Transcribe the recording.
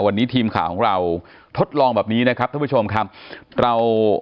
วันนี้ทีมข่าวของเราทดลองแบบนี้นะครับท่านผู้ชมครับเรา